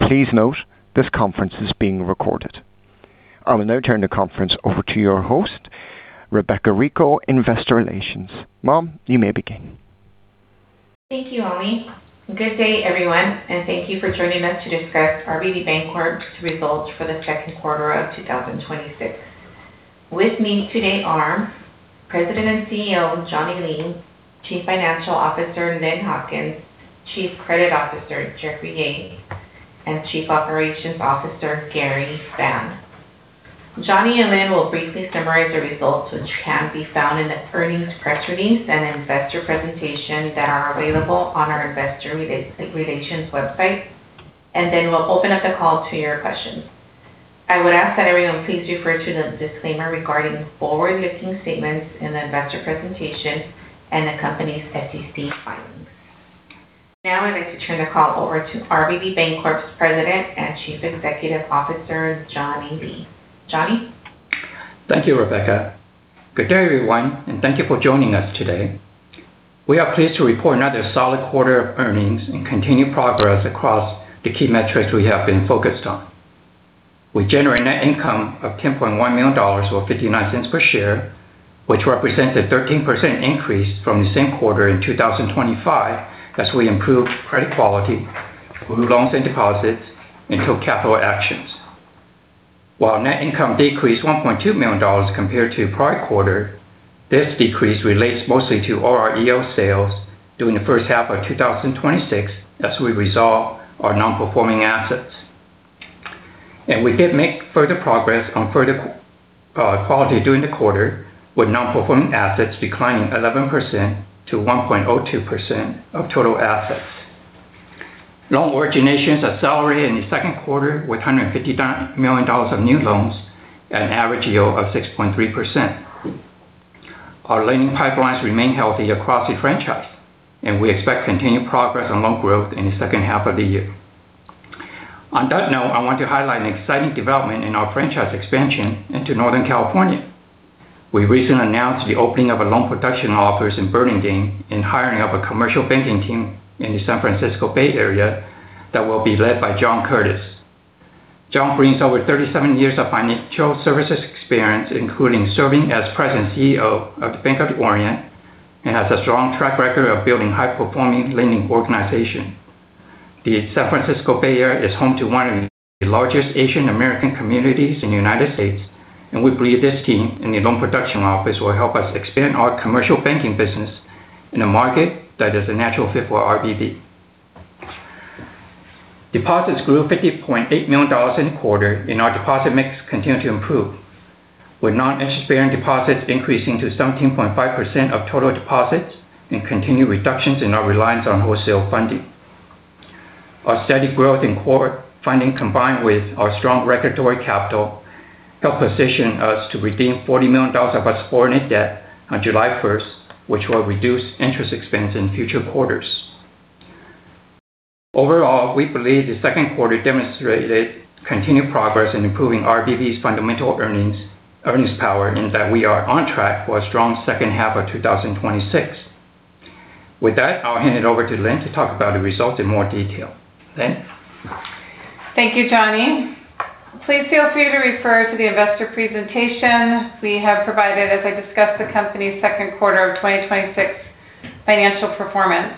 Please note this conference is being recorded. I will now turn the conference over to your host, Rebeca Rico, Investor Relations. Ma'am, you may begin. Thank you, Ollie. Good day, everyone, and thank you for joining us to discuss RBB Bancorp's results for the second quarter of 2026. With me today are President and CEO, Johnny Lee, Chief Financial Officer, Lynn Hopkins, Chief Credit Officer, Jeffrey Yeh, and Chief Operations Officer, Gary Fan. Johnny and Lynn will briefly summarize the results, which can be found in the earnings press release and investor presentation that are available on our investor relations website. Then we'll open up the call to your questions. I would ask that everyone please refer to the disclaimer regarding forward-looking statements in the investor presentation and the company's SEC filings. Now, I'd like to turn the call over to RBB Bancorp's President and Chief Executive Officer, Johnny Lee. Johnny? Thank you, Rebeca. Good day, everyone, and thank you for joining us today. We are pleased to report another solid quarter of earnings and continued progress across the key metrics we have been focused on. We generate net income of $10.1 million, or $0.59 per share, which represents a 13% increase from the same quarter in 2025, as we improved credit quality, grew loans and deposits, and took capital actions. While net income decreased $1.2 million compared to the prior quarter, this decrease relates mostly to REO sales during the first half of 2026, as we resolve our non-performing assets. We did make further progress on credit quality during the quarter, with non-performing assets declining 11% to 1.02% of total assets. Loan originations accelerated in the second quarter with $159 million of new loans at an average yield of 6.3%. Our lending pipelines remain healthy across the franchise, and we expect continued progress on loan growth in the second half of the year. On that note, I want to highlight an exciting development in our franchise expansion into Northern California. We recently announced the opening of a loan production office in Burlingame and hiring of a commercial banking team in the San Francisco Bay Area that will be led by John Curtis. John brings over 37 years of financial services experience, including serving as President and CEO of the Bank of the Orient, and has a strong track record of building high-performing lending organizations. The San Francisco Bay Area is home to one of the largest Asian-American communities in the United States, and we believe this team and the loan production office will help us expand our commercial banking business in a market that is a natural fit for RBB. Deposits grew $50.8 million in the quarter. Our deposit mix continued to improve, with non-interest-bearing deposits increasing to 17.5% of total deposits and continued reductions in our reliance on wholesale funding. Our steady growth in core funding, combined with our strong regulatory capital, help position us to redeem $40 million of our subordinate debt on July 1st, which will reduce interest expense in future quarters. Overall, we believe the second quarter demonstrated continued progress in improving RBB's fundamental earnings power. We are on track for a strong second half of 2026. With that, I'll hand it over to Lynn to talk about the results in more detail. Lynn? Thank you, Johnny. Please feel free to refer to the investor presentation we have provided as I discuss the company's second quarter of 2026 financial performance.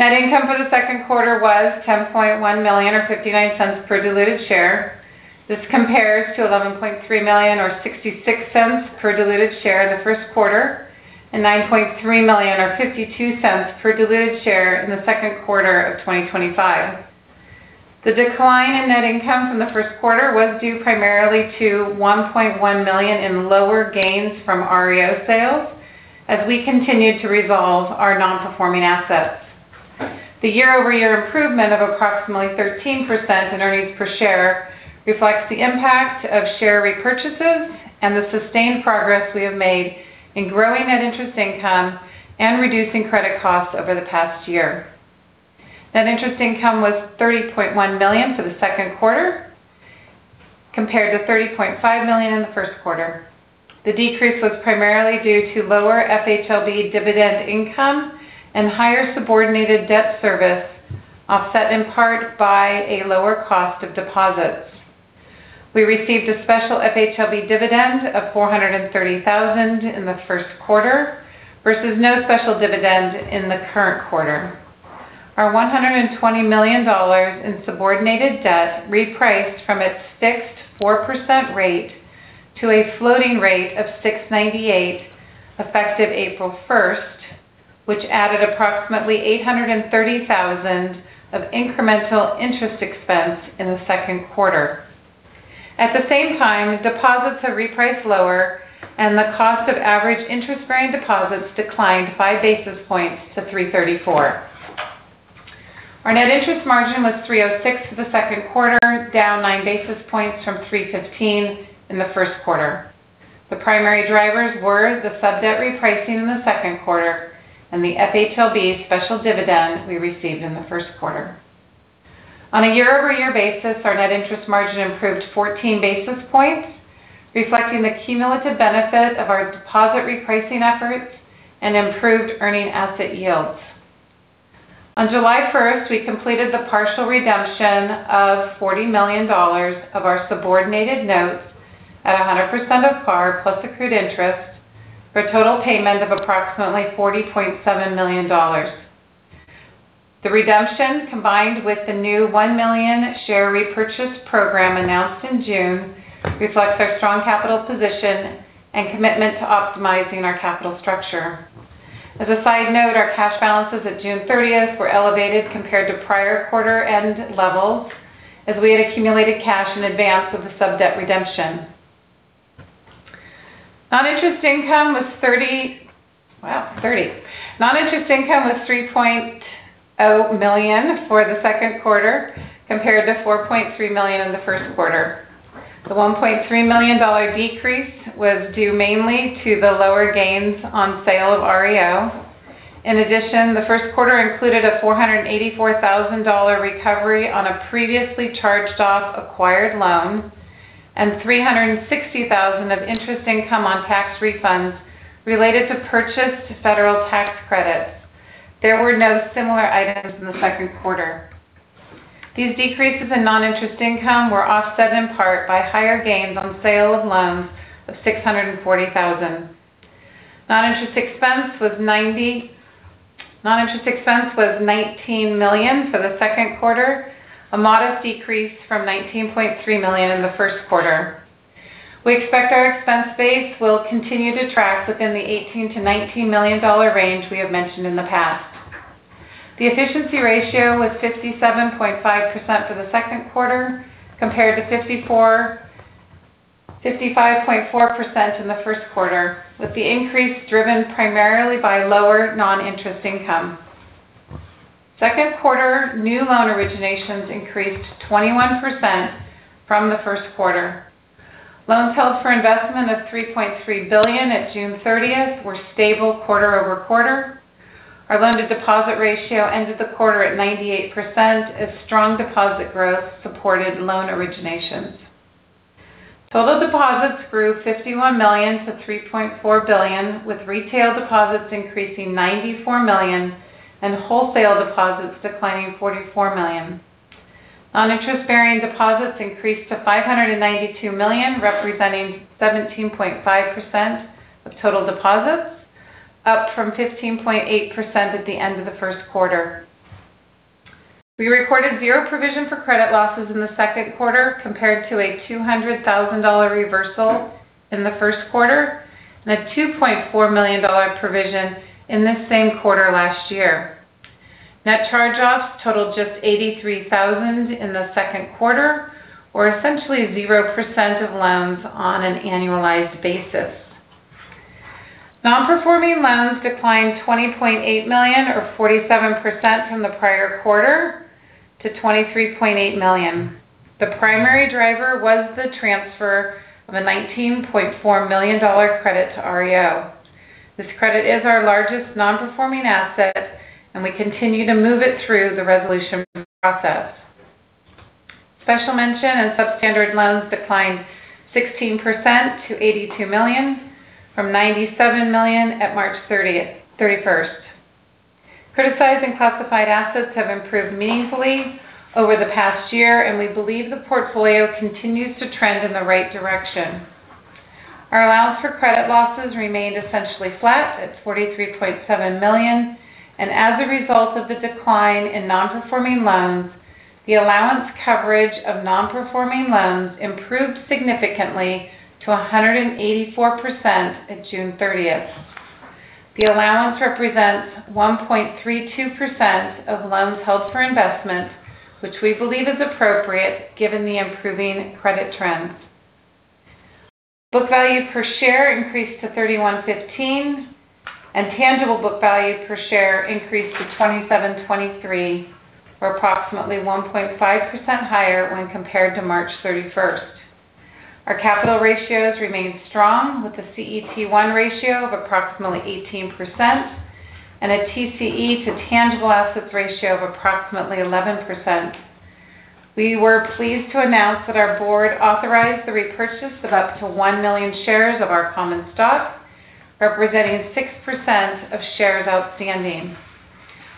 Net income for the second quarter was $10.1 million, or $0.59 per diluted share. This compares to $11.3 million or $0.66 per diluted share in the first quarter. $9.3 million or $0.52 per diluted share in the second quarter of 2025. The decline in net income from the first quarter was due primarily to $1.1 million in lower gains from REO sales as we continued to resolve our non-performing assets. The year-over-year improvement of approximately 13% in earnings per share reflects the impact of share repurchases and the sustained progress we have made in growing net interest income and reducing credit costs over the past year. Net interest income was $30.1 million for the second quarter, compared to $30.5 million in the first quarter. The decrease was primarily due to lower FHLB dividend income and higher subordinated debt service, offset in part by a lower cost of deposits. We received a special FHLB dividend of $430,000 in the first quarter versus no special dividend in the current quarter. Our $120 million in subordinated debt repriced from its fixed 4% rate to a floating rate of 698 effective April 1st, which added approximately $830,000 of incremental interest expense in the second quarter. At the same time, deposits have repriced lower and the cost of average interest-bearing deposits declined 5 basis points to 334. Our net interest margin was 306 for the second quarter, down 9 basis points from 315 in the first quarter. The primary drivers were the sub-debt repricing in the second quarter and the FHLB special dividend we received in the first quarter. On a year-over-year basis, our net interest margin improved 14 basis points reflecting the cumulative benefit of our deposit repricing efforts and improved earning asset yields. On July 1st, we completed the partial redemption of $40 million of our subordinated notes at 100% of par, plus accrued interest, for a total payment of approximately $40.7 million. The redemption, combined with the new 1 million share repurchase program announced in June, reflects our strong capital position and commitment to optimizing our capital structure. As a side note, our cash balances at June 30th were elevated compared to prior quarter-end levels, as we had accumulated cash in advance of the sub-debt redemption. Non-interest income was $3.0 million for the second quarter, compared to $4.3 million in the first quarter. The $1.3 million decrease was due mainly to the lower gains on sale of REO. In addition, the first quarter included a $484,000 recovery on a previously charged off acquired loan and $360,000 of interest income on tax refunds related to purchase to federal tax credits. There were no similar items in the second quarter. These decreases in non-interest income were offset in part by higher gains on sale of loans of $640,000. Non-interest expense was $19 million for the second quarter, a modest decrease from $19.3 million in the first quarter. We expect our expense base will continue to track within the $18 million-$19 million range we have mentioned in the past. The efficiency ratio was 57.5% for the second quarter, compared to 55.4% in the first quarter, with the increase driven primarily by lower non-interest income. Second quarter new loan originations increased 21% from the first quarter. Loans held for investment of $3.3 billion at June 30th were stable quarter-over-quarter. Our loan to deposit ratio ended the quarter at 98%, as strong deposit growth supported loan originations. Total deposits grew $51 million to $3.4 billion, with retail deposits increasing $94 million and wholesale deposits declining $44 million. Non-Interest Bearing Deposits increased to $592 million, representing 17.5% of total deposits, up from 15.8% at the end of the first quarter. We recorded zero provision for credit losses in the second quarter, compared to a $200,000 reversal in the first quarter and a $2.4 million provision in the same quarter last year. Net charge-offs totaled just $83,000 in the second quarter, or essentially 0% of loans on an annualized basis. Non-performing loans declined $20.8 million, or 47%, from the prior quarter to $23.8 million. The primary driver was the transfer of a $19.4 million credit to REO. This credit is our largest non-performing asset, and we continue to move it through the resolution process. Special mention and substandard loans declined 16% to $82 million from $97 million at March 31st. Criticized and classified assets have improved meaningfully over the past year, and we believe the portfolio continues to trend in the right direction. Our allowance for credit losses remained essentially flat at $43.7 million, and as a result of the decline in non-performing loans, the allowance coverage of non-performing loans improved significantly to 184% at June 30th. The allowance represents 1.32% of loans held for investment, which we believe is appropriate given the improving credit trends. Book value per share increased to $31.15, and tangible book value per share increased to $27.23, or approximately 1.5% higher when compared to March 31st. Our capital ratios remained strong with a CET1 ratio of approximately 18% and a TCE to tangible assets ratio of approximately 11%. We were pleased to announce that our board authorized the repurchase of up to 1 million shares of our common stock, representing 6% of shares outstanding.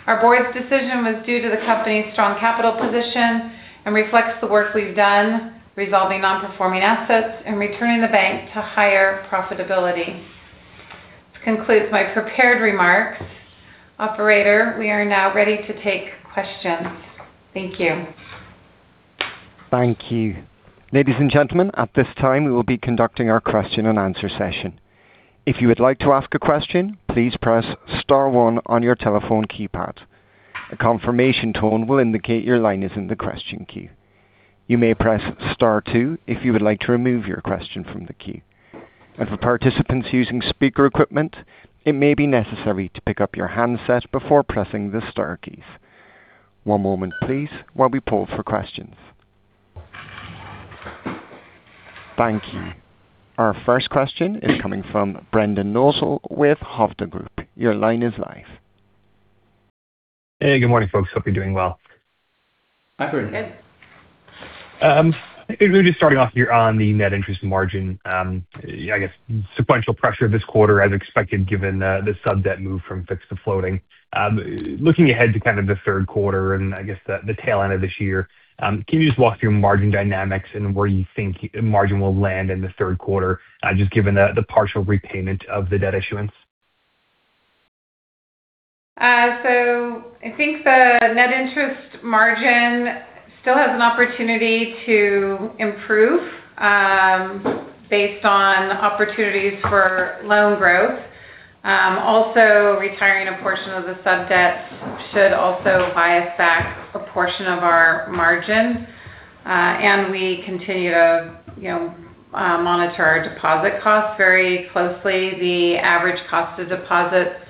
Our board's decision was due to the company's strong capital position and reflects the work we've done resolving non-performing assets and returning the bank to higher profitability. This concludes my prepared remarks. Operator, we are now ready to take questions. Thank you. Thank you. Ladies and gentlemen, at this time, we will be conducting our question-and-answer session. If you would like to ask a question, please press star one on your telephone keypad. A confirmation tone will indicate your line is in the question queue. You may press star two if you would like to remove your question from the queue. For participants using speaker equipment, it may be necessary to pick up your handset before pressing the star keys. One moment please while we pull for questions. Thank you. Our first question is coming from Brendan Nosal with Hovde Group. Your line is live Hey, good morning, folks. Hope you're doing well. Hi, Brendan. Hi. Maybe just starting off here on the net interest margin. I guess sequential pressure this quarter as expected given the sub-debt move from fixed to floating. Looking ahead to kind of the third quarter and I guess the tail end of this year, can you just walk through margin dynamics and where you think margin will land in the third quarter, just given the partial repayment of the debt issuance? I think the net interest margin still has an opportunity to improve based on opportunities for loan growth. Also retiring a portion of the sub-debt should also bias back a portion of our margin. We continue to monitor our deposit costs very closely. The average cost of deposits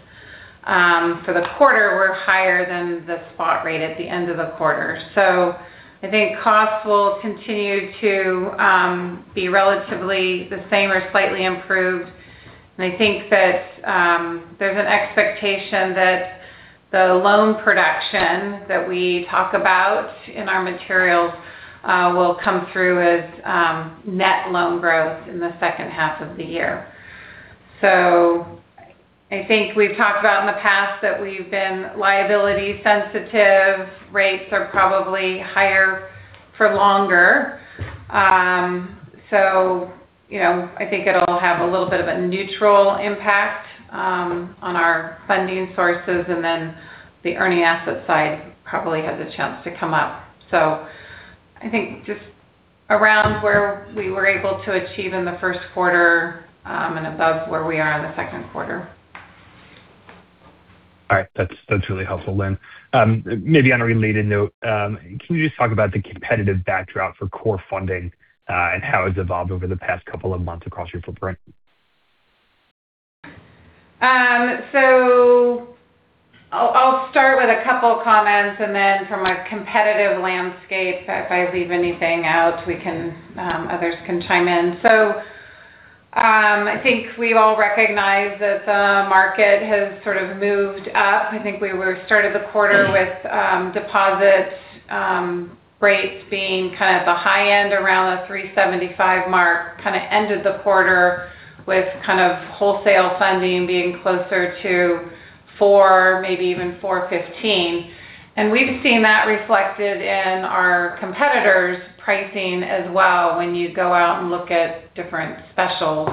for the quarter were higher than the spot rate at the end of the quarter. I think costs will continue to be relatively the same or slightly improved. I think that there's an expectation that the loan production that we talk about in our materials will come through as net loan growth in the second half of the year. I think we've talked about in the past that we've been liability sensitive. Rates are probably higher for longer. I think it'll have a little bit of a neutral impact on our funding sources, the earning asset side probably has a chance to come up. I think just around where we were able to achieve in the first quarter, and above where we are in the second quarter. All right. That's really helpful, Lynn. Maybe on a related note, can you just talk about the competitive backdrop for core funding, and how it's evolved over the past couple of months across your footprint? I'll start with a couple of comments, from a competitive landscape, if I leave anything out others can chime in. I think we all recognize that the market has sort of moved up. I think we were started the quarter with deposits rates being kind of the high end around the 3.75% mark, kind of ended the quarter with wholesale funding being closer to 4%, maybe even 4.15%. We've seen that reflected in our competitors' pricing as well when you go out and look at different specials.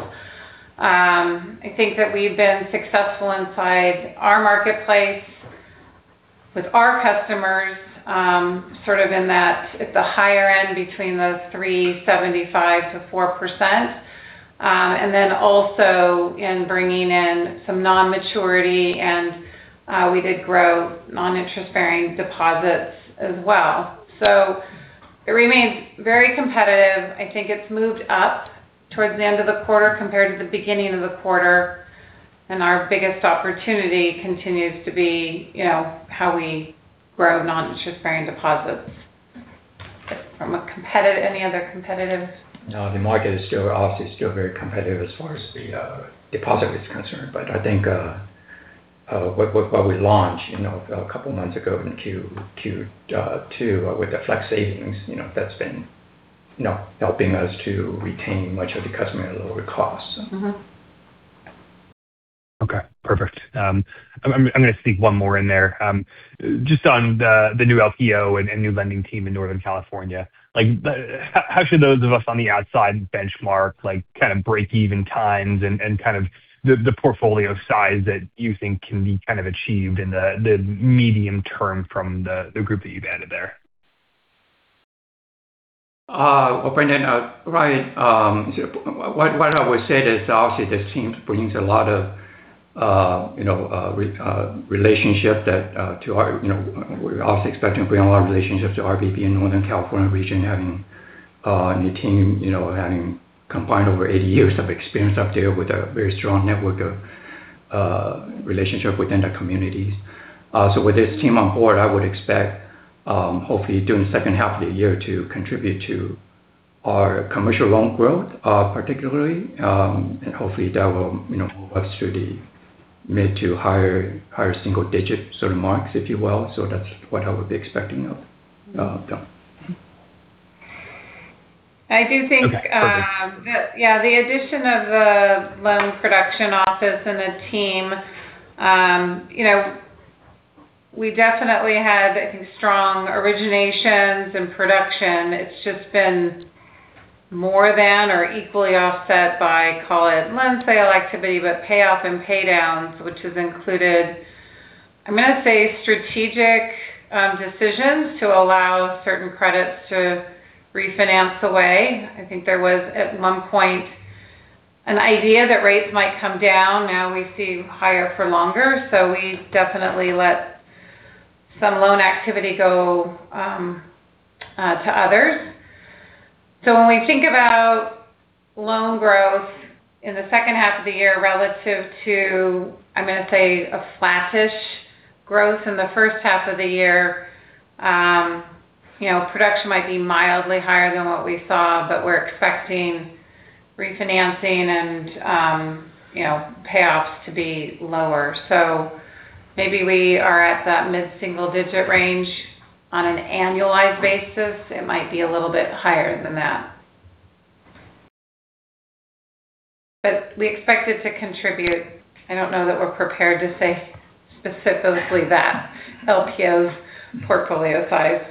I think that we've been successful inside our marketplace with our customers, sort of in that it's a higher end between those 3.75%-4%. Also in bringing in some non-maturity and we did grow non-interest-bearing deposits as well. It remains very competitive. I think it's moved up towards the end of the quarter compared to the beginning of the quarter. Our biggest opportunity continues to be how we grow non-interest-bearing deposits. From any other competitive? No, the market is obviously still very competitive as far as the deposit is concerned. I think what we launched a couple of months ago in the Q2 with the Flex savings, that's been helping us to retain much of the customer at a lower cost. Okay, perfect. I'm going to sneak one more in there. Just on the new LPO and new lending team in Northern California. How should those of us on the outside benchmark breakeven times and the portfolio size that you think can be achieved in the medium term from the group that you've added there? Well, Brendan, what I would say is obviously this team brings a lot of relationships that we're obviously expecting to bring a lot of relationships to RBB in Northern California region, having a new team, having combined over 80 years of experience up there with a very strong network of relationships within the communities. With this team on board, I would expect, hopefully during the second half of the year to contribute to our commercial loan growth, particularly. Hopefully that will move us to the mid to higher single digit sort of marks, if you will. That's what I would be expecting of them. I do think the addition of the loan production office and the team. We definitely had, I think, strong originations and production. It's just been more than or equally offset by, call it loan sale activity, but payoff and paydowns, which has included, I'm going to say, strategic decisions to allow certain credits to refinance away. I think there was, at one point, an idea that rates might come down. Now we see higher for longer, so we definitely let some loan activity go to others. When we think about loan growth in the second half of the year relative to, I'm going to say a flattish growth in the first half of the year, production might be mildly higher than what we saw, but we're expecting refinancing and payoffs to be lower. Maybe we are at that mid-single-digit range on an annualized basis. It might be a little bit higher than that. We expect it to contribute. I don't know that we're prepared to say specifically that LPO's portfolio size.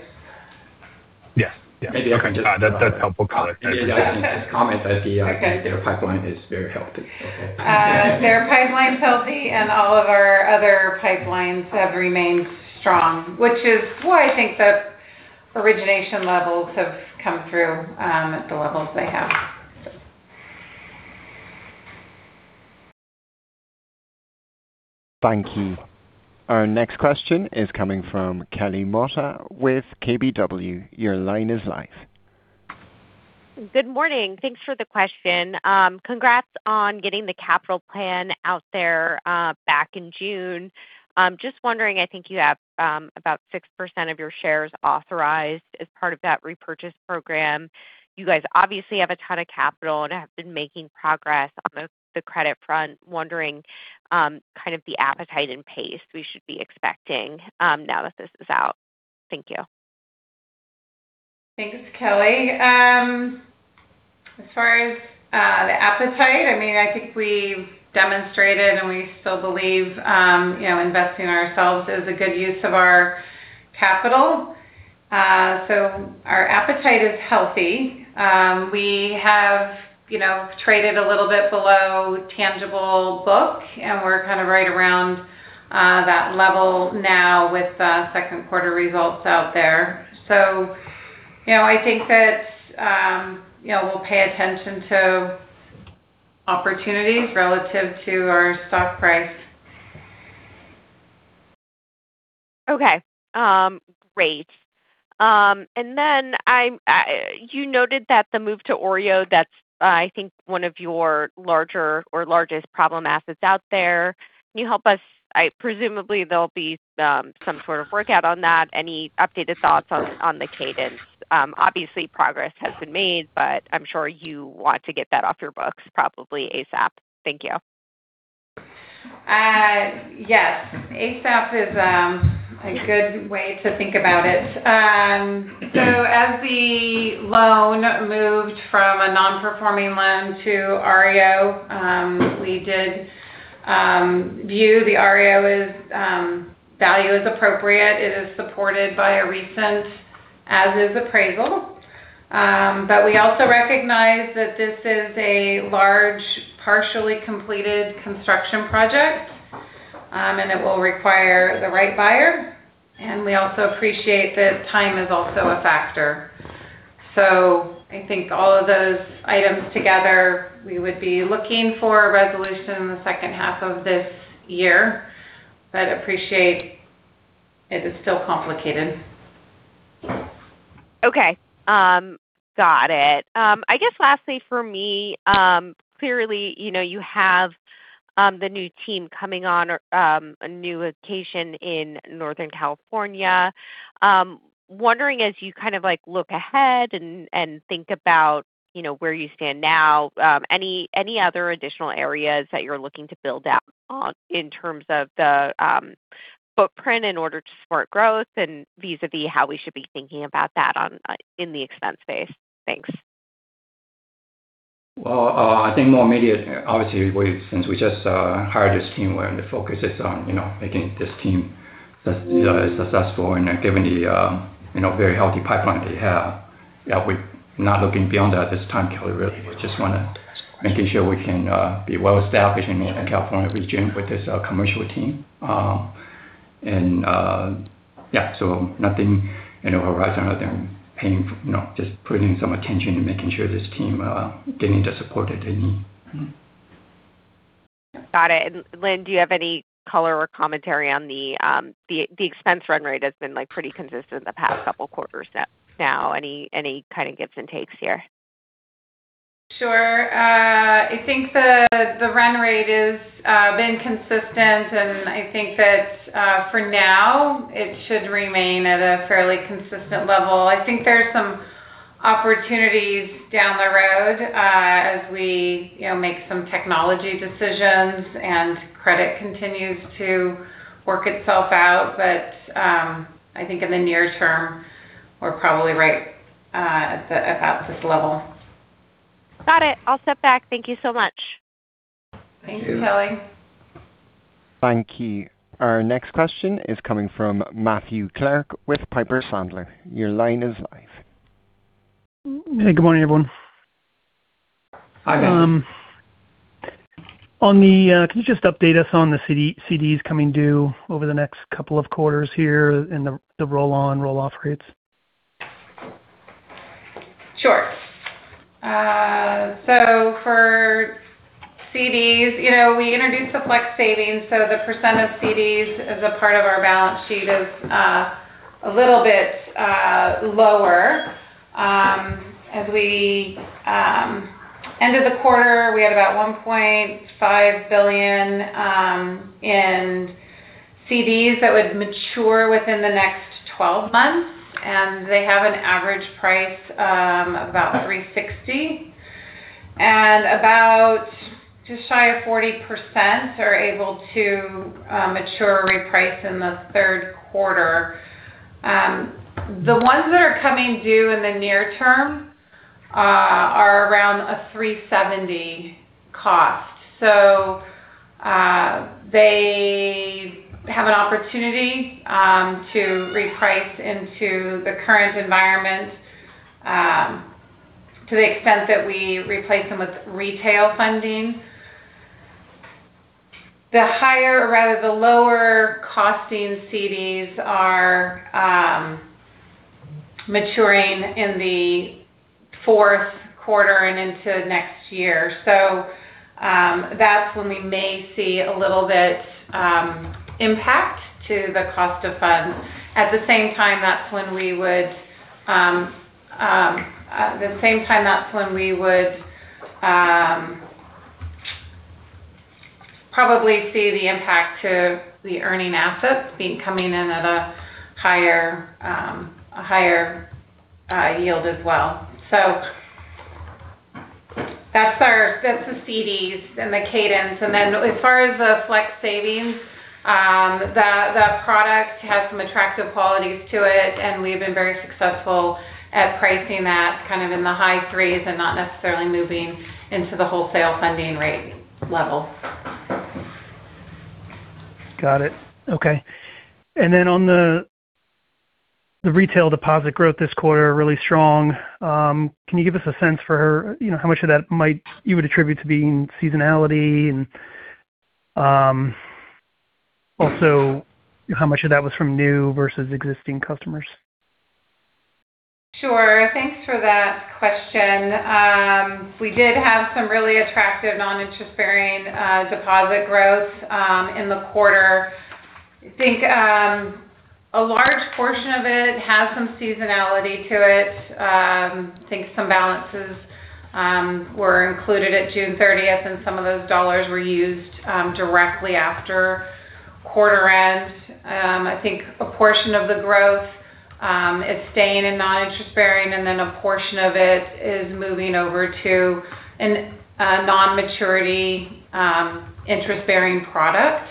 Yes. Maybe I can just- Okay. That's helpful color. Maybe I can just comment. I see their pipeline is very healthy. Okay. Their pipeline's healthy, all of our other pipelines have remained strong, which is why I think that origination levels have come through at the levels they have. Thank you. Our next question is coming from Kelly Motta with KBW. Your line is live. Good morning. Thanks for the question. Congrats on getting the capital plan out there back in June. I'm just wondering, I think you have about 6% of your shares authorized as part of that repurchase program. You guys obviously have a ton of capital and have been making progress on the credit front. I'm wondering the appetite and pace we should be expecting now that this is out. Thank you. Thanks, Kelly. As far as the appetite, I think we've demonstrated and we still believe investing in ourselves is a good use of our capital. Our appetite is healthy. We have traded a little bit below tangible book, and we're right around that level now with the second quarter results out there. I think that we'll pay attention to opportunities relative to our stock price. Okay. Great. You noted that the move to OREO, that's, I think, one of your larger or largest problem assets out there. Presumably, there'll be some sort of workout on that. Any updated thoughts on the cadence? Obviously progress has been made, I'm sure you want to get that off your books probably ASAP. Thank you. Yes. ASAP is a good way to think about it. As the loan moved from a non-performing loan to OREO, we did view the OREO value as appropriate. It is supported by a recent as-is appraisal. We also recognize that this is a large, partially completed construction project, and it will require the right buyer. We also appreciate that time is also a factor. I think all of those items together, we would be looking for a resolution in the second half of this year. Appreciate it is still complicated. Okay. Got it. I guess lastly for me, clearly, you have the new team coming on a new location in Northern California. Wondering as you look ahead and think about where you stand now, any other additional areas that you're looking to build out on in terms of the footprint in order to support growth and vis-a-vis how we should be thinking about that in the expense base? Thanks. Well, I think more immediate, obviously since we just hired this team where the focus is on making this team successful and given the very healthy pipeline they have. We're not looking beyond that at this time, Kelly, really. Just making sure we can be well established in Northern California region with this commercial team. Yeah. Nothing on the horizon other than just putting some attention and making sure this team getting the support that they need. Got it. Lynn, do you have any color or commentary on the expense run rate has been pretty consistent the past couple quarters now. Any gives and takes here? Sure. I think the run rate has been consistent, and I think that for now, it should remain at a fairly consistent level. I think there's some opportunities down the road as we make some technology decisions and credit continues to work itself out. I think in the near term, we're probably right about this level. Got it. I'll step back. Thank you so much. Thank you, Kelly. Thank you. Our next question is coming from Matthew Clark with Piper Sandler. Your line is live. Good morning, everyone. Hi, Matthew. Can you just update us on the CDs coming due over the next couple of quarters here and the roll-on, roll-off rates? Sure. For CDs, we introduced the Flex savings. The percent of CDs as a part of our balance sheet is a little bit lower. As we end of the quarter, we had about $1.5 billion in CDs that would mature within the next 12 months, and they have an average price of about 360. About just shy of 40% are able to mature reprice in the third quarter. The ones that are coming due in the near term are around a 370 cost. They have an opportunity to reprice into the current environment to the extent that we replace them with retail funding. The lower costing CDs are maturing in the fourth quarter and into next year. That's when we may see a little bit impact to the cost of funds. At the same time, that's when we would probably see the impact to the earning assets coming in at a higher yield as well. That's the CDs and the cadence. As far as the Flex savings, that product has some attractive qualities to it, and we've been very successful at pricing that kind of in the high threes and not necessarily moving into the wholesale funding rate level. Got it. Okay. On the retail deposit growth this quarter, really strong. Can you give us a sense for how much of that you would attribute to being seasonality and also how much of that was from new versus existing customers? Sure. Thanks for that question. We did have some really attractive Non-Interest Bearing Deposits growth in the quarter. I think a large portion of it has some seasonality to it. I think some balances were included at June 30th, and some of those dollars were used directly after quarter end. I think a portion of the growth is staying in Non-Interest Bearing, and then a portion of it is moving over to a non-maturity interest-bearing product.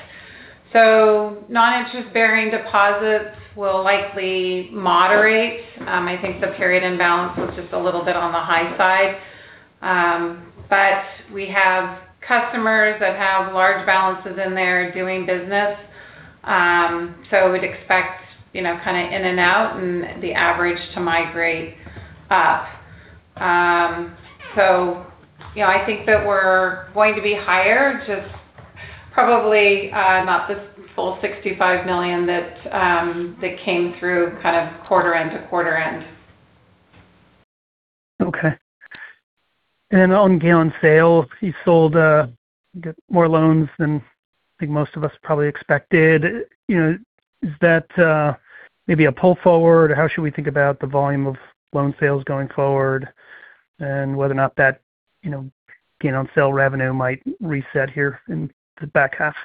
Non-Interest Bearing Deposits will likely moderate. I think the period imbalance was just a little bit on the high side. We have customers that have large balances in there doing business. We'd expect in and out and the average to migrate up. I think that we're going to be higher, just probably not the full $65 million that came through kind of quarter end to quarter end. Okay. On gain on sale, you sold more loans than I think most of us probably expected. Is that maybe a pull forward? How should we think about the volume of loan sales going forward and whether or not that gain on sale revenue might reset here in the back half?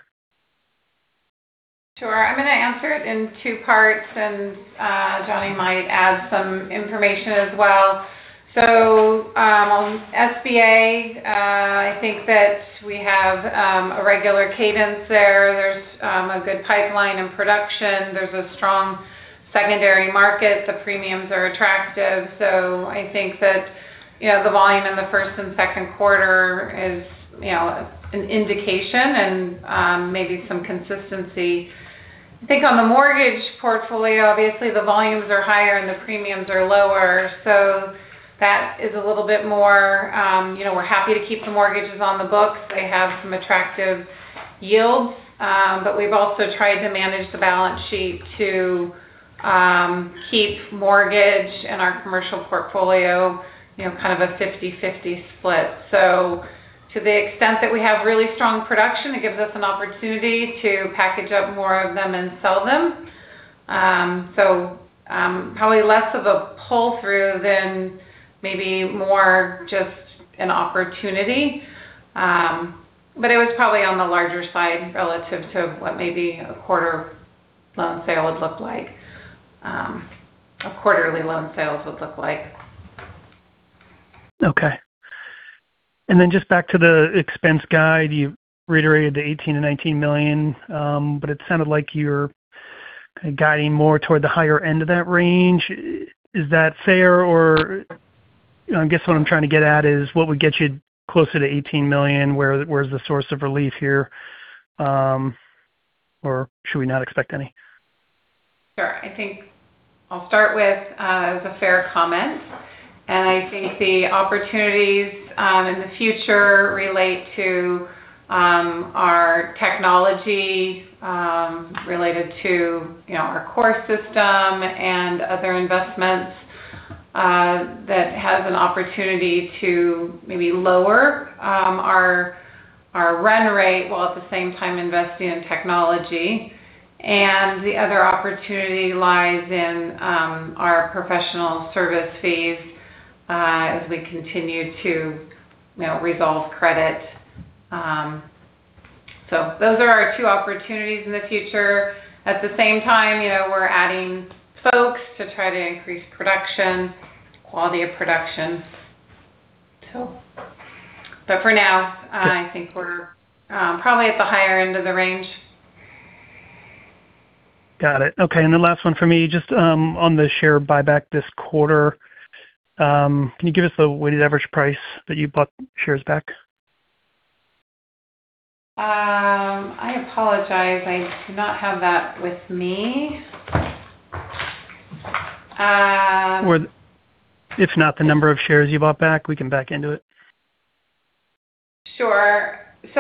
Sure. I'm going to answer it in two parts, and Johnny might add some information as well. On SBA, I think that we have a regular cadence there. There's a good pipeline in production. There's a strong secondary market. The premiums are attractive. I think that the volume in the first and second quarter is an indication and maybe some consistency. I think on the mortgage portfolio, obviously the volumes are higher and the premiums are lower, so that is a little bit more. We're happy to keep the mortgages on the books. They have some attractive yields. We've also tried to manage the balance sheet to keep mortgage and our commercial portfolio kind of a 50/50 split. To the extent that we have really strong production, it gives us an opportunity to package up more of them and sell them. Probably less of a pull through than maybe more just an opportunity. It was probably on the larger side relative to what maybe a quarter loan sale would look like. A quarterly loan sales would look like. Okay. Just back to the expense guide. You reiterated the $18 million-$19 million, but it sounded like you're kind of guiding more toward the higher end of that range. Is that fair? Or I guess what I'm trying to get at is what would get you closer to $18 million? Where's the source of relief here? Or should we not expect any? Sure. I think I'll start with it was a fair comment. I think the opportunities in the future relate to our technology related to our core system and other investments that has an opportunity to maybe lower our run rate, while at the same time investing in technology. The other opportunity lies in our professional service fees as we continue to resolve credit. Those are our two opportunities in the future. At the same time, we're adding folks to try to increase production, quality of production. For now, I think we're probably at the higher end of the range. Got it. Okay, the last one for me, just on the share buyback this quarter. Can you give us the weighted average price that you bought shares back? I apologize. I do not have that with me. If not, the number of shares you bought back, we can back into it. Sure. It's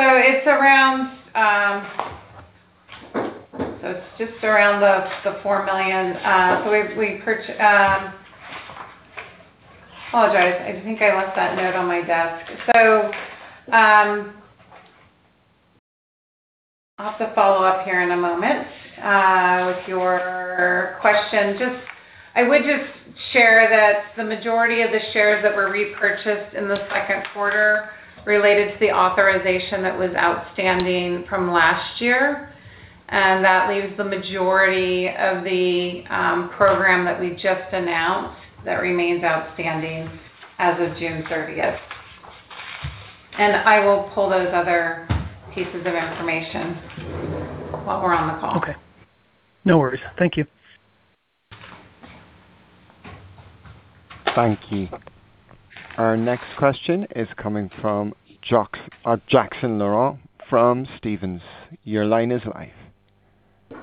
just around the 4 million. I apologize. I think I left that note on my desk. I'll have to follow up here in a moment with your question. I would just share that the majority of the shares that were repurchased in the second quarter related to the authorization that was outstanding from last year. That leaves the majority of the program that we just announced that remains outstanding as of June 30th. I will pull those other pieces of information while we're on the call. Okay. No worries. Thank you. Thank you. Our next question is coming from Jackson Laurent from Stephens. Your line is live.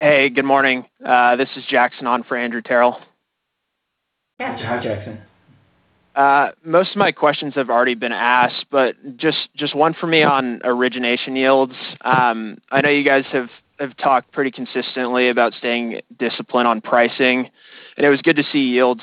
Hey, good morning. This is Jackson on for Andrew Terrell. Yes. Hi, Jackson. Most of my questions have already been asked, just one for me on origination yields. I know you guys have talked pretty consistently about staying disciplined on pricing, it was good to see yields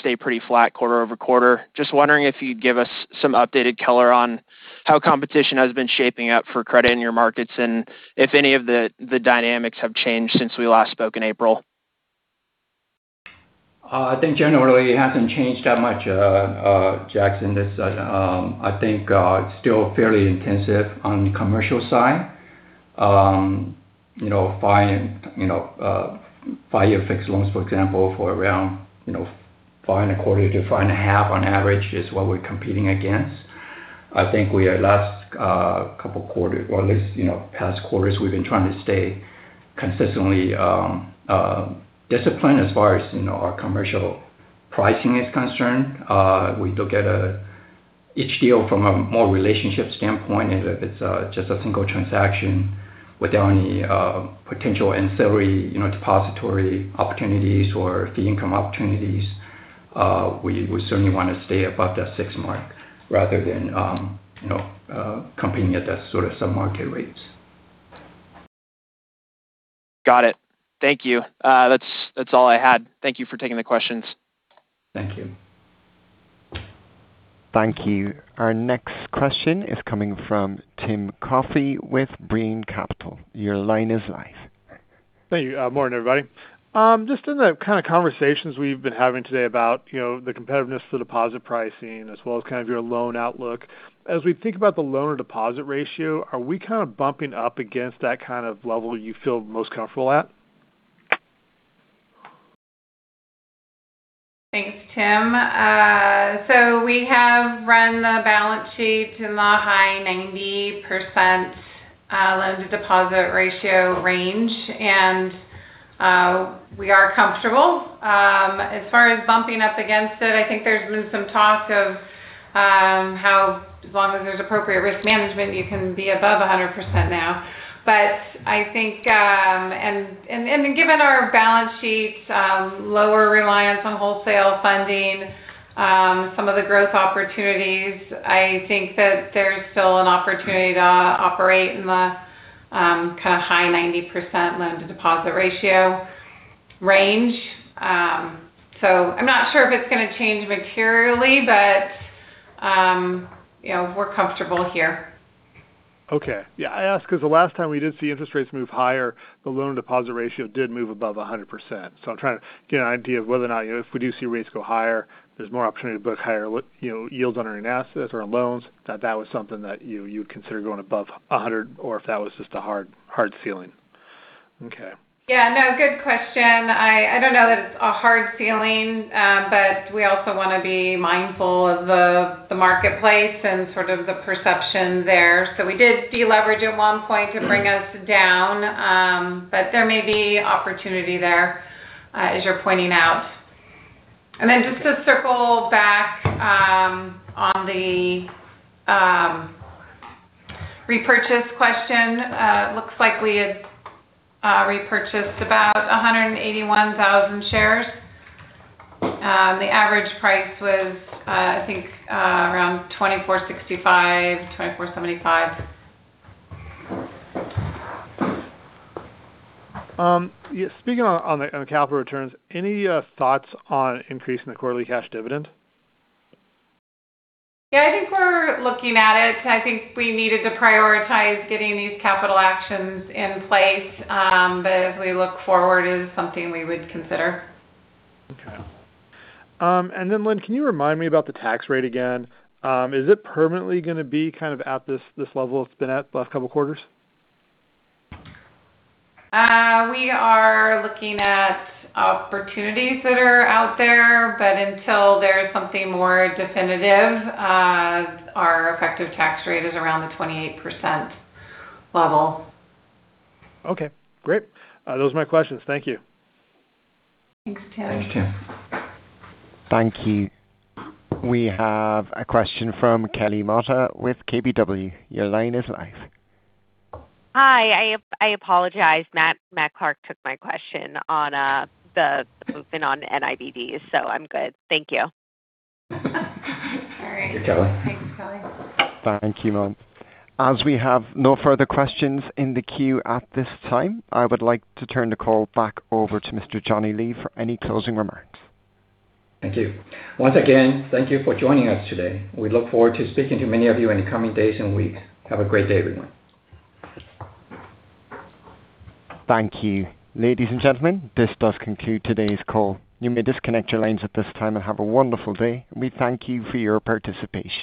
stay pretty flat quarter-over-quarter. Just wondering if you'd give us some updated color on how competition has been shaping up for credit in your markets, if any of the dynamics have changed since we last spoke in April. I think generally it hasn't changed that much, Jackson. I think it's still fairly intensive on the commercial side. Five-year fixed loans, for example, for around 5.25%-5.5% on average is what we're competing against. I think we are last couple quarter or at least past quarters, we've been trying to stay consistently disciplined as far as our commercial pricing is concerned. We look at each deal from a more relationship standpoint, if it's just a single transaction without any potential ancillary depository opportunities or fee income opportunities, we certainly want to stay above that six mark rather than competing at the sort of sub-market rates. Got it. Thank you. That's all I had. Thank you for taking the questions. Thank you. Thank you. Our next question is coming from Tim Coffey with Brean Capital. Your line is live. Thank you. Morning, everybody. In the kind of conversations we've been having today about the competitiveness of the deposit pricing as well as kind of your loan outlook. As we think about the loan-to-deposit ratio, are we kind of bumping up against that kind of level you feel most comfortable at? Thanks, Tim. We have run the balance sheet in the high 90% loan-to-deposit ratio range, and we are comfortable. As far as bumping up against it, I think there's been some talk of how, as long as there's appropriate risk management, you can be above 100% now. I think, and given our balance sheets, lower reliance on wholesale funding, some of the growth opportunities, I think that there is still an opportunity to operate in the kind of high 90% loan-to-deposit ratio range. I'm not sure if it's going to change materially, but we're comfortable here. Okay. I ask because the last time we did see interest rates move higher, the loan-to-deposit ratio did move above 100%. I'm trying to get an idea of whether or not if we do see rates go higher, there's more opportunity to book higher yields on earning assets or on loans, that that was something that you'd consider going above 100, or if that was just a hard ceiling. Okay. No, good question. I don't know that it's a hard ceiling, but we also want to be mindful of the marketplace and sort of the perception there. We did deleverage at one point to bring us down, but there may be opportunity there, as you're pointing out. Just to circle back on the repurchase question. Looks like we had repurchased about 181,000 shares. The average price was, I think around $24.65, $24.75. Speaking on the capital returns, any thoughts on increasing the quarterly cash dividend? I think we're looking at it. I think we needed to prioritize getting these capital actions in place. As we look forward, it is something we would consider. Okay. Lynn, can you remind me about the tax rate again? Is it permanently going to be kind of at this level it's been at the last couple of quarters? We are looking at opportunities that are out there, until there is something more definitive, our effective tax rate is around the 28% level. Okay, great. Those are my questions. Thank you. Thanks, Tim. Thanks, Tim. Thank you. We have a question from Kelly Motta with KBW. Your line is live. Hi, I apologize. Matt Clark took my question on the movement on NIBDs, so I'm good. Thank you. All right. Thanks, Kelly. Thanks, Kelly. Thank you. As we have no further questions in the queue at this time, I would like to turn the call back over to Mr. Johnny Lee for any closing remarks. Thank you. Once again, thank you for joining us today. We look forward to speaking to many of you in the coming days and weeks. Have a great day, everyone. Thank you. Ladies and gentlemen, this does conclude today's call. You may disconnect your lines at this time and have a wonderful day. We thank you for your participation.